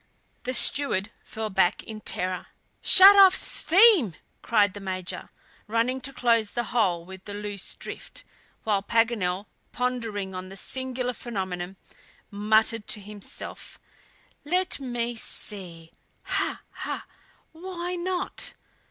The steward fell back in terror. "Shut off steam!" cried the Major, running to close the hole with the loose drift, while Paganel pondering on the singular phenomenon muttered to himself: "Let me see! ha! ha! Why not?"